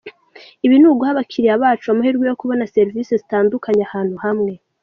Ibi ni uguha abakiliya bacu amahirwe yo kubona serivisi zitandukanye ahantu hamwe.